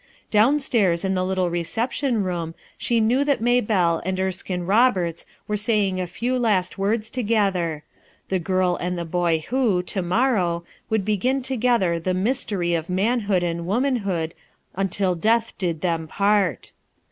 Downstairs in the little reception room she knew that Maybclle and Erskine Roberts were saying a few last words together; the girl and the boy who, to morrow, would begin together the mystery of manhood and womanhood, "until death did them part."